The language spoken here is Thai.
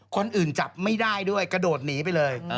คนอื่นจับไม่ได้ด้วยกระโดดหนีไปเลย